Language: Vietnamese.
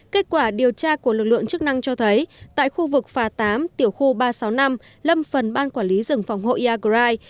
kết quả điều tra của lực lượng chức năng cho thấy tại khu vực phà tám tiểu khu ba trăm sáu mươi năm lâm phần ban quản lý rừng phòng hộ iagrai